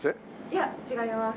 いや違います。